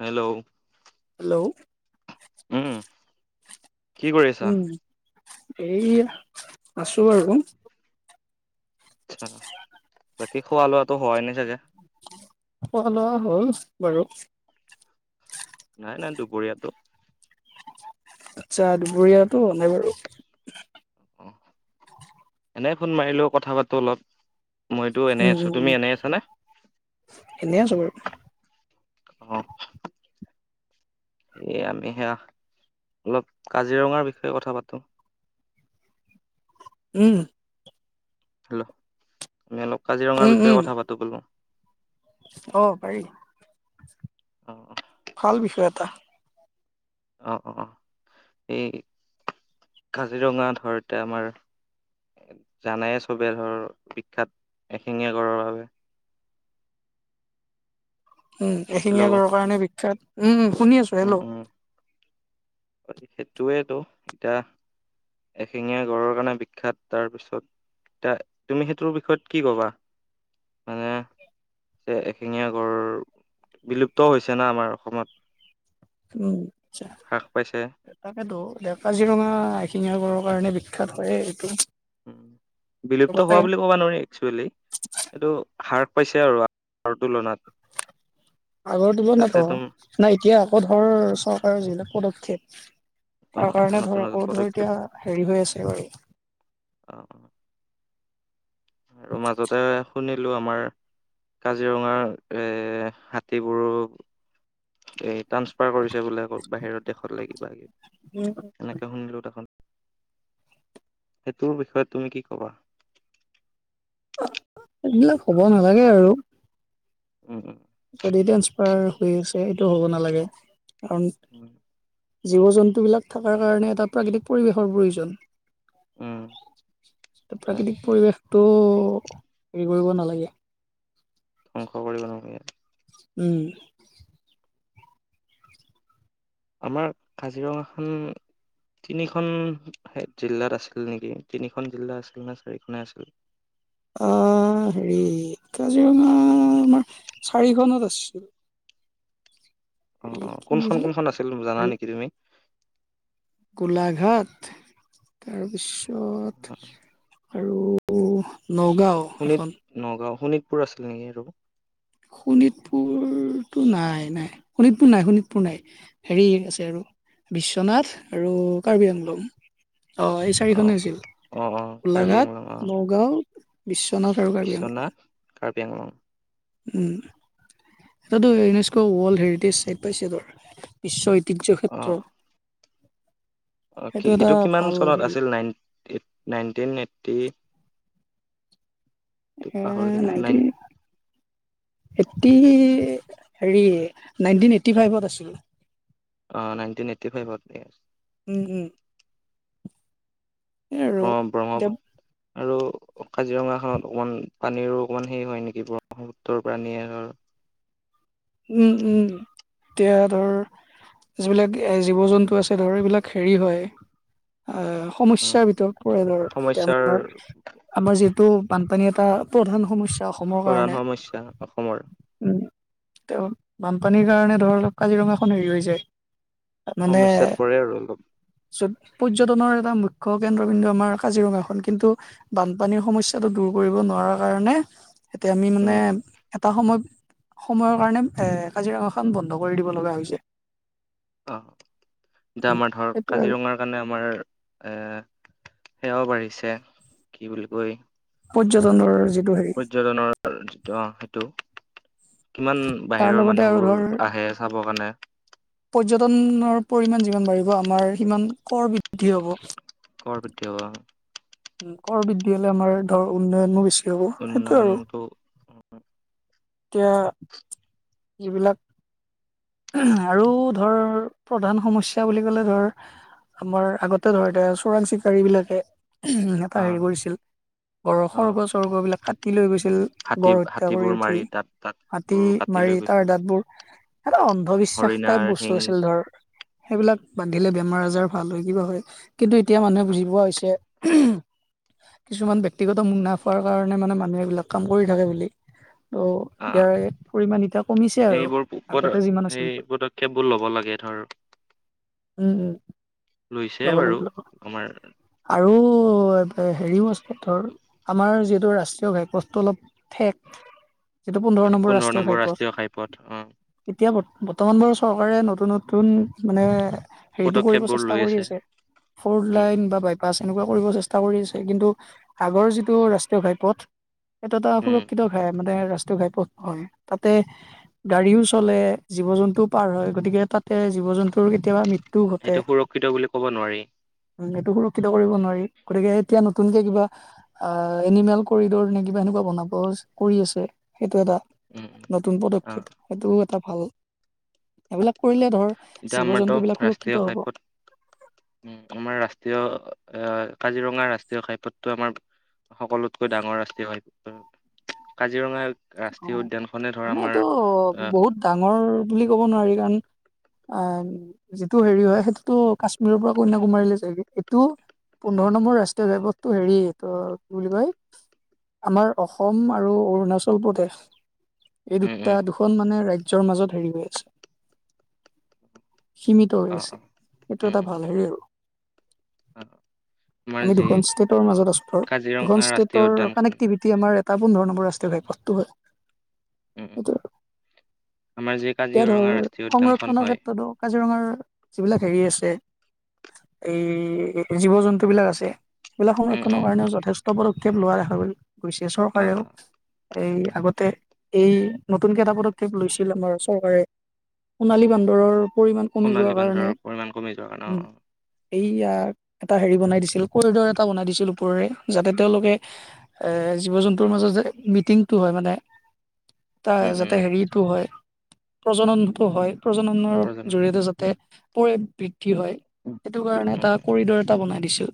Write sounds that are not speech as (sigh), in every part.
Hello? Hello? উম, কি কৰিছা? এই আছো আৰু। আটচা বাকি খোৱা, লোৱাটো হয়াই নাই চাগে। অল, হ'ল বাৰু। নাই, নাই দুপৰীয়াতো। আচ্ছা দুপৰীয়াাতো নাই বাৰু। এনেই ফোন মাৰিলো কথা পাতো অলপ। মইতো এনেই উম উম আছো উম তুমি এনেই আছানে। এনেই আছো বাৰু অ'। সয়ে আমি সেয়া অলপ কাজিৰঙাৰ বিষয়ে কথা পাতো। (unintelligible) উম। হেল্ল' আমি অলপ কাজিৰঙাৰ উম বিষয়ে উম কথা পাতো কলো। অ, পাৰি অ ভাল বিষয় এটা। অ', অ', এই কাজিৰঙা ধৰতে আমাৰ। জানাই চবে ধৰ বিখ্যাত এশিঙীয়া কৰৰ বাবে। উম, হেল্ল' এশিঙীয়া ঘৰৰ কাৰণে বিখ্যাত উম, শুনি আছো। হেল্ল'? সেইটোয়েইেতো এতিয়া এশিঙীয়া গড়ৰ কাৰণে বিখ্যাত তাৰ পিছত এ, তুমি সেইটোৰ বিষয়ত কি কবা মানে। যে, এশিঙীয়া গড় বিলুপ্ত হৈছে না, আমাৰ অসমত। উম, আচছা হ্ৰাস পাইছে। তাকেতো দে কাজিৰঙা আহখিল ৰৰ, কাৰণে বিখ্যাত হয়, এইটো। বিলুপ্ত লগতে হোৱা বুলি ক'বা নোৱাৰি একচুৱেলি এইটো। হ্ৰাস পাইছে আৰু আৰ তুলনাত। আগৰ দিব তাতে নাতো তুম নাই এতিয়া আকৌ ধৰ চৰকাৰৰ যিবিলাক পদক্ষপ ঠিক অ তাৰ অ কাৰণে নতুন ধৰ নতুন আকৌ ধৰ পদক্ষেপ এতিয়া হেৰি হৈ আছে বাৰী অ অ আৰু মাজতে শুনি আমাৰ কাজিৰঙা এৰ হাতীবোৰ এই ট্ৰানসফাৰ কৰিছে বোলে আকৌ বাহিৰৰ দেশতলে কিবা, উম কিবি এনেকে শুনিলো দেখোন। সেইটোৰ বিষয়ে তুমি কি ক'বা। এইবিলাক হ'ব নালাগে আৰু। উম, উম। যদি ট্ৰেন্সফাৰ হৈ আছে, সেইটো হ'ব নালাগে, কাৰণ উম জীৱ, জন্তুবিলাক থকাৰ কাৰণে এটা প্ৰাকৃতিক পৰিৱেশৰ প্ৰয়োজন। উম হয় প্ৰাকৃতিক পৰিৱেশ হেৰি কৰিব নালাগে। ধ্বংস কৰিব নোৱাৰো। উম। আমাৰ কাজিৰঙাখন তিনিখন জিলাত আছিল নেকি তিনিখন জিলা আছিল নে চাৰিখনে আছিল। অ'। হেৰি কাজিৰঙা আমাৰ চাৰিখনত আছিল। অ, হেৰি কি কোনখন, কোনখন আছিল জানা নেকি তুমি। গোলাঘাট। তাৰপিছত আৰু নগাঁও এখন। পুৰ আছিলে নেকি আৰু? শোণিতপুৰতো নাই নাই শোণিতপুৰ নাই শোণিতপুৰ নাই হেৰি আছে আৰু। বিশ্বনাথ আৰু কাৰ্বি আংলং। অ', ই অ চাৰিখনে আছিল অ অ কাৰ্বি আংলং অ গোলাঘাট নগাঁও বিশ্ব (inaudible) বিশ্বনাথ কাৰ্বি আংলং। উম, এতিয়া ৎটো ইউনেস্ক ৱৰ্ল্ড হেৰিটেজ চাইট পাইছেতো। বিশ্ব ঐতিহ্য অ ক্ষেত্ৰ। অ', কি সেইটো এটা এইটো কিমান ভাল চনত হেৰি আছিল নাইন নাইনটিন এইটটি পাহৰি উম, থাকিলো নাইন নাইনটি এইটি হেৰি নাইনটিন এইট্টি ফাইভত আছিল। অ', নাইনটিন এইটি ফাইভতে। উম, হম। সেইয়া আৰু এতিয়া ব্ৰহ্মপুত্ৰ আৰু কাজিৰঙাখনত অকমান পানীৰো অকমান হেৰি হয় নেকি ব্ৰহ্মপুত্ৰৰ পানীয়ে ধৰ (inaudible) উম, উম এতিয়া ধৰ যিবিলাক এ জীৱ জন্তু আছে ধৰ এইবিলাক হেৰি হয়। আহ উম সমস্যাৰ ভিতৰত পৰে ধৰ এ সমস্যাৰ আমাৰ আমাৰ যি ত' বানপানী এটা প্ৰধান সমস্যা অসমৰ প্ৰধান কাৰণে সমস্যা অসমৰ উম। তেওঁ বানপানীৰ কাৰণে ধৰি লওঁক কাজিৰঙাখন হেৰি হৈছে। মানে সমস্যাত পৰে আৰু অলপ চত পৰ্যটনৰ এটা মুখ্য কেন্দ্ৰবিন্দু আমাৰ কাজিৰঙাখন। কিন্তু বানপানীৰ সমস্যাটো দূৰ কৰিব নোৱাৰাৰ কাৰণে এতিয়া আমি উম মানে এটা সময়ত সময়ৰ কাৰণে এ কাজিৰঙাখন বন্ধ কৰি দিব লগা হৈছে। অ', এতিয়া উম, আমাৰ ধৰ সেইটোৱে আৰু কাজিৰঙাৰ কাৰণে আমাৰ এ সেয়াও বাঢ়িছে কি বুলি কয় পৰ্যটনৰ যিটো আহ হেৰি পৰ্যটনৰ যিটো অ' সেইটো। কিমান তাৰ বাহিৰৰ লগতে আৰু মানুহবোৰ ধৰ আহে চাব কাৰণে। পৰ্যটনৰ পৰিমাণ যিমান বাঢ়িব আমাৰ সিমান কৰ বৃদ্ধি হ'ব। কৰ বৃদ্ধি হোৱা উম, কৰ বৃদ্ধি হ'লে আমাৰ ধৰ উন্নয়নো বেছি হ'ব সেইটো আৰু। উন্নয়নটো এতিয়া যিবিলাক আৰু ধৰ প্ৰধান সমস্যা বুলি ক'লে ধৰ আমাৰ আগতে ধৰ এ চোৰাং চিকাৰীবিলাকে উম এটা হেৰি আহ কৰিছিল। গড়ৰ সৰ্গ আহ চৰ্গবিলাক হা কাটি লৈ গৈছিল হাতী গড় হত্যা কৰি হাতীবোৰ উঠি। মাৰি দাঁত দাঁত হাতী বোৰ কাটি মাৰি লৈ তাৰ গৈছিল দাঁতবোৰ এটা অন্ধবিশ্বাস টাইপ হৰিণাৰ বস্তু শিং আছিল ধৰ। সেইবিলাক বান্ধিলে বেমাৰ আজাৰ ভাল হয় কিবা হয়। কিন্তু এতিয়া মানুহে বুজি পোৱা হৈছে কিছুমান ব্যক্তিগত মুনাফাৰ কাৰণে মানে মানুহে এইবিলাক কাম কৰি থাকে বুলি। ত' আহ ইয়াৰে পৰিমাণ এতিয়া কমিছে আৰু। পদ আগতে যিমান আছিল সেই পদক্ষেপবোৰ ল'ব লাগে ধৰ। উম, লৈছে ল'ব বাৰু লাগে ল'ব লাগে আমাৰ আৰু অ', হেৰিও আছে ধৰ আমাৰ যিহেতু ৰাষ্ট্ৰীয় ঘাইপথটো অলপ ঠেক। হয়, পোন্ধৰ নম্বৰ ৰাষ্ট্ৰীয় ঘাইপথ অ'। এতিয়া বৰ্ত বৰ্তমান বাৰু চৰকাৰে নতুন নতুন মানে হেৰিটো কৰিব পদক্ষেপবোৰ চেষ্টা লৈ কৰি আছে। ফৰ উম উম লাইন বা বাইপাছ এনেকুৱা কৰিব চেষ্টা কৰি আছে কিন্তু আগৰ যিটো ৰাষ্ট্ৰীয় ঘাইপথ। এইটো এটা উম সুৰক্ষিত ঘাই মানে ৰাষ্ট্ৰীয় ঘাইপথ হয় তাতে গাড়ীও চ চলে জীৱ জন্তুও পাৰ হয় গতিকে এ জীৱ জন্তুৰ কেতিয়াবা মৃত্যুও ঘটে। সেইটো সুৰক্ষিত বুলি ক'ব নোৱাৰি উম, এইটো সুৰক্ষিত কৰিব নোৱাৰি। গতিকে এতিয়া নতুনকে কিবা অ' এনিমেল কৰিডৰ নে কিবা এনেকুৱা বনাব কৰি আছে। সেইটো এটা উম উম নতুন অ পদক্ষেপ সেইটোও এটা ভাল। এইবিলাক অ কৰিলে ধৰ এতিয়া জীৱ আমাৰতো জন্তুবিলাক ৰাষ্ট্ৰীয় সুৰক্ষিত হ'ব। ঘাইপথ উম, আমাৰ ৰাষ্ট্ৰীয় অ' কাজিৰঙা ৰাষ্ট্ৰীয় ঘাইপথটো আমাৰ, সকলোতকৈ ডাঙৰ ৰাষ্ট্ৰীয় (inaudible) কাজিৰঙা ৰাষ্ট্ৰীয় অ' উদ্যানখনে ধৰ মানে আমাৰ এইটো আহ বহুত ডাঙৰ বুলি ক'ব নোৱাৰি কাৰণ অ' যিটো হেৰি হয় সেইটোতো কাশ্মীৰৰ পৰা কন্যাকুমাৰীলৈ যায়গৈ এইটো পোন্ধৰ নম্বৰ ৰাষ্ট্ৰীয় ঘাইপথটো হেৰি ত' কি বুলি কয়। আমাৰ অসম আৰু অৰুণা (unintelligible) প্ৰদেশ, এই উম উম দুটা দুখন মানে ৰাজ্যৰ মাজত হেৰি হৈ আছে। (inaudible) সীমিত হৈ অ আছে, অ এইটো উম এটা উম ভাল হেৰি আৰু। অ আমাৰ আমি যি দুখন ষ্টেটৰ মাজত আছো ধৰ, কাজিৰঙা দুখন ৰাষ্ট্ৰীয় ষ্টেটৰ উদ্যানখন কানেক্টিভিটি আমাৰ তাৰ পোন্ধৰ নম্বৰ ৰাষ্ট্ৰীয় ঘাইপথটো হয়। উম। সেইটো আমাৰ যি এতিয়া ধৰ কাজিৰঙা ৰাষ্ট্ৰীয় উদ্যানখন সংৰক্ষণৰ হয় ক্ষেত্ৰতো কাজিৰঙাৰ যিবিলাক হেৰি আছে। এই জীৱ জন্তুবিলাক আছে এইবিলাক উম সংৰক্ষণৰ উম কাৰণেও যথেষ্ঠ পদক্ষেপ লোৱা দেখা গৈ গৈছে অ চৰকাৰেও। অ এই উম আগতে এই নতুন কেইটা পদক্ষেপ লৈছিল আমাৰ চৰকাৰে। সোণালী বান্দৰৰ পৰিমাণ কমি সোণালী যোৱাৰ বান্দৰৰ কাৰণে পৰিমাণ কমি যোৱাৰ কাৰণে অ', এইয়া এটা হেৰি বনাই দিছিল কৰিডৰ এটা বনাই দিছিল ওপৰেৰে যাতে তেওঁলোকে এ জীৱ-জন্তুৰ মাজত মিটি (unintelligible) হয় মানে, তা উম, যাতে উম, হেৰিটো হয় প্ৰজননটো হয়। প্ৰজননৰ প্ৰজনন জৰি়য়তে যাতে পৰি (unintelligible) হয় সেইটো বি- কাৰণে এটা উম, কৰিডৰ এটা বনাই দিছিল।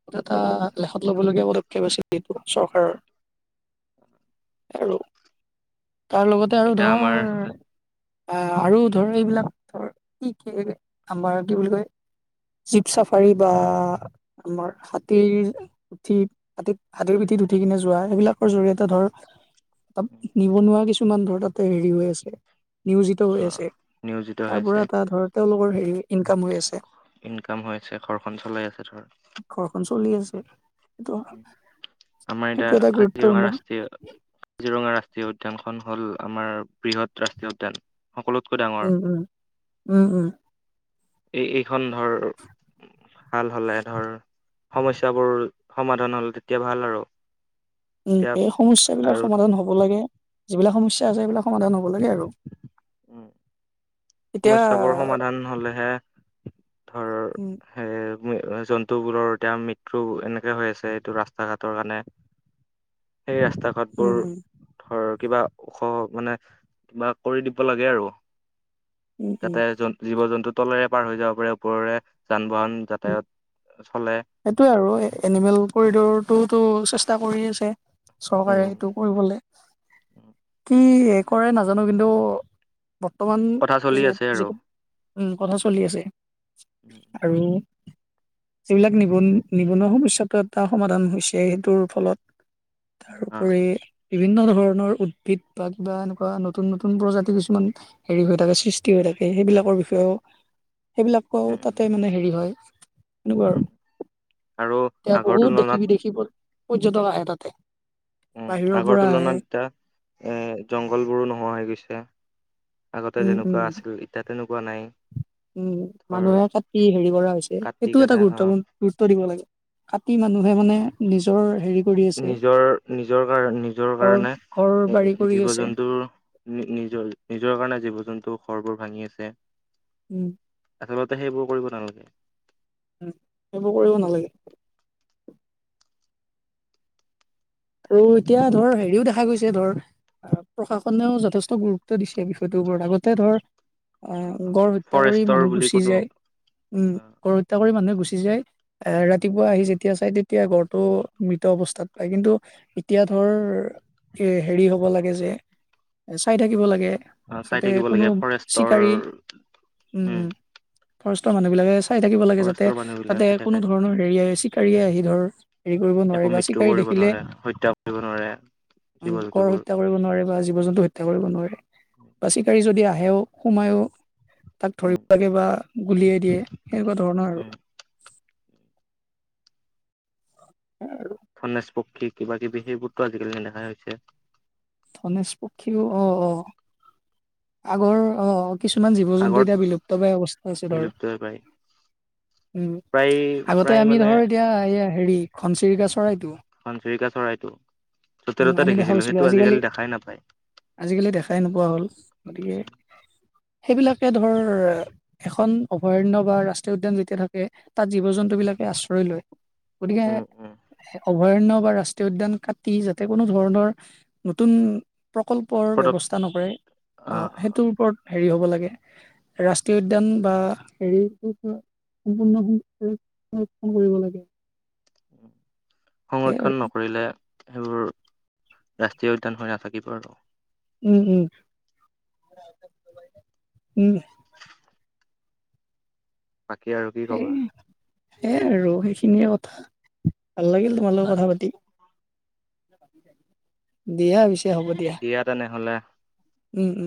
সেইটো এটা লেখত ল'বলগীয়া পদক্ষেপ আছিল এইটো চৰকাৰৰ। আৰু, তাৰ লগতে আৰু এতিয়া আমাৰ ধৰ বা আৰু ধৰ এইবিলাক ধৰ কি কি আমাৰ কি বুলি কয়? জীপ চাফাৰী বা আমাৰ হাতীৰ উঠি হাতীত হাতীৰ পিঠি উঠি কিনে যোৱা সেইবিলাকৰ জৰিয়তে ধৰ, তাত নিবনুৱা কিছুমান ধৰ তাতে হেৰি হৈ আছে। নিয়োজিত হৈ অ', আছে, নিয়োজিত হৈ তাৰ আছে পৰা এটা ধৰ তেওঁলোকৰ হেৰি ইনকাম হৈ আছে। ইনকাম হৈ আছে ঘৰখন চলাই আছে ধৰ। ঘৰখন চলি আছে সেইটো, উম, আমাৰ এতিয়া সেইটো এটা কাজিৰঙা গুৰুত্বপূৰ্ণ ৰাষ্ট্ৰীয় কাজিৰঙা ৰাষ্ট্ৰীয় উদ্যানখন হ'ল আমাৰ বৃহৎ ৰাষ্ট্ৰীয় উদ্যান। সকলোতকৈ ডাঙৰ উম, উম, উম, উম। এই এইখন ধৰ, ভাল হ'লে ধৰ সমস্যাবোৰ সমাধান হ'লে তেতিয়া ভাল আৰু। উম, এতিয়া সেই সমস্যাবিলাক আৰু সমাধান হব লাগে, যিবিলাক সমস্যা আছে সেইবিলাক সমাধান হ'ব (unintelligible) আৰু। উম, এতিয়া সমস্যাবোৰ সমাধান হ'লেহে ধৰ উম সেই (unintelligible) জন্তুবোৰৰ এতিয়া মৃত্যু এনেকে হৈ আছে এইটো ৰাস্তা ঘাটৰ কাৰণে। সেই ৰাস্তা ঘাটবোৰ উম ধৰ কিবা ওখ মানে কিবা কৰি দিব লাগে আৰু, উম উম যাতে উম জন- জীৱ জন্তু তলেৰে পাৰ হৈ যাব পাৰে ওপৰৰে যান বাহন (unintelligible) যাতায়াত চলে সেইটোৱে আৰু এনিমেল কৰিডৰটো চেষ্টা কৰি আছে, উম চৰকাৰে উম এইটো কৰিবলে, উম কি কৰে নাজানো কিন্তু বৰ্তমান কথা চলি য আছে আৰু যিটো উম, কথা চলি আছে উম আৰু। যিবিলাক নিবন নিবনুৱা সমস্যাটো এটা সমাধান হৈছে সেইটোৰ ফলত। অ তাৰোপৰি বিভিন্ন ধৰণৰ উদ্ভিদ বা কিবা এনেকুৱা নতুন-নতুন প্ৰজাতি কিছুমান হেৰি হৈ থাকে সৃষ্টি হৈ থাকে। সেইবিলাকৰ বিষয়েও সেইবিলাকো উম উম তাতে মানে হেৰি হয় এনেকুৱা উম আৰু আৰু এতিয়া আগৰ বহুত তুলনাত দেশী-বিদশী পৰ্যটক আহে তাতে। উম, বাহিৰৰ আগৰ পৰা আহে তুলনাত এতিয়া এ, জংঘল বোৰো নোহোৱা হৈ গৈছে। আগতে উম উম যেনেকুৱা আছিল এতিয়া তেনেকুৱা নাই। উম, ধৰ মানুহে কাটি হেৰি কৰা হৈছে, কাটি সেইটোও এটা কানে অ গুৰুত্বপূৰ্ণ গুৰুত্ব দি'ব লাগে। কাটি মানুহে মানে নিজৰ হেৰি কৰি আছে নিজৰ, নিজৰ কাৰ নিজৰ ঘৰ কাৰণে ঘৰ এ, বাৰী কৰি আছে জীৱ-জন্তুৰ নিজৰ নিজৰ কাৰণে জীৱ-জন্তু ঘৰবোৰ ভাঙি আছে। উম। আচলতে সেইবোৰ কৰিব নালাগে। উ, সেইবোৰ কৰিব নালাগে। আৰু এতিয়া ধৰ হেৰিও দেখা গৈছে যে ধৰ প্ৰশাসনেও যথেষ্ট গুৰুত্ব দিছে, বিষয়টোৰ ওপৰত আগতে ধৰ অ, গড় হত্যা কৰি ফৰেষ্টৰ মানুহ বুলি গুচি কোনো যায়। উম, অ গড় হত্যা কৰি মানুহে গুচি য য, আহ ৰাতিপুৱা আহি যেতিয়া চাই তেতিয়া গড়টো মৃত অৱস্থাত পায় কিন্তু। এতিয়া ধৰ এ, হেৰি হ'ব লাগে যে চাই থাকিব লাগে। অ চাই যাতে থাকিব কোনো লাগে ফৰেষ্টৰ চিকাৰী উম, উম। ফৰেষ্টৰ মানুহ বিলাকে চাই থাকিব লাগে, যাতে, ফৰেষ্টৰ মানুহবিলাক তাতে চাই কোনো থাকে ধৰণৰ হেৰিয় চিকাৰীয়ে আহি ধৰ। হেৰি কৰিব একো নোৱাৰে বা মৃত্যু কৰিব নোৱাৰে, হত্যা কৰিব নোৱাৰে। জীৱ কৰ জন্তুবোৰ হত্যা কৰিব নোৱাৰে বা জীৱ, জন্তু হত্যা কৰিব নোৱাৰে বা চিকাৰী যদি আহ বেও, সোমায়ো। তাক উম ধৰিব লাগে বা গুলিয়াই দিয়ে সেনেকুৱা ধৰণৰ আৰু। উম ধনেজ পক্ষী কিবা, কিবি সেইবোৰতো আজিকালি নেদেখা হৈছে। ধনেশ পক্ষীও অ', অ', আগৰ অ, কিছুমান জীৱ, জন্তু আগত এতিয়া বিলুপ্তভয় অৱস্থা আছে ধৰ বিলুপ্ত হৈ পায় উম, প্ৰায় আগতে প্ৰায় আমি মানে ধৰ এতিয়া এই হেৰি খনচিৰিকা চৰাইটো। চিৰিকা, চৰাইটোক উম, আমি দে, ভাবিছিলো আজিকালি। নাপায়। আজিকালি দেখাই নোপোৱা হ'ল গতিকে সেইবিলাকে ধৰ এখন অভয়াৰণয় বা ৰাষ্ট্ৰীয় উদ্যান যেতিয়া থাকে তাত জীৱ, জন্তু বিলাকে আশ্ৰয় লয়, গতিকে উম, উম। অভয়াৰণ্য বা ৰাষ্ট্ৰীয় উদ্যান ক যাতে কোনো ধৰণৰ নতুন প্ৰকল্পৰ পদক ব্যৱস্থা নকৰে অ', অ'। সেইটোৰ ওপৰত। হেৰি হ'ব লাগে, ৰাষ্ট্ৰীয় উদ্যান বা হেৰি সম্পূৰ্ণৰক্ষণ কৰিব লাগে। সেইয়াই সংৰক্ষণ আৰু নকৰিলে, সেইবোৰ ৰাষ্ট্ৰীয় উদ্যান হৈ নাথাকিব আৰু। উম, উম, উম। বাকী আৰু কি ক'বা এ, আৰু সেইখিনিয়ে কথা ভাল লাগিল, তোমাৰ লগত কথা পাতি। দিহা পি দিয়া, তেনেহলে। উম, উম, উ।